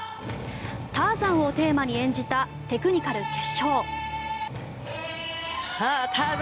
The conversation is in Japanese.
「ターザン」をテーマに演じたテクニカル決勝。